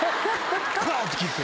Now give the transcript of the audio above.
パンって切って。